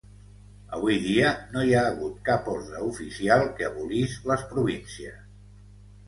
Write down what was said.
Avui dia, no hi ha hagut cap ordre oficial que abolís les províncies.